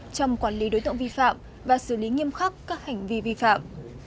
trong quản lý đối tượng vi phạm và xử lý nghiêm khắc các hành vi vi phạm